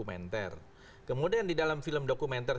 ini kan bukan film dokumenter